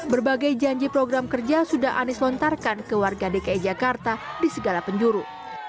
berbagai janji program kerja sudah anies lontarkan ke warga dki jakarta di segala penjuru